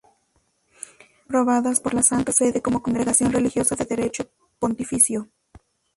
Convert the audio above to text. Fueron aprobadas por la Santa Sede como congregación religiosa de derecho pontificio.